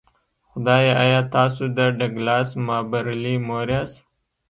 خدایه ایا تاسو د ډګلاس مابرلي مور یاست